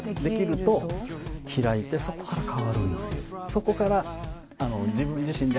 そこから。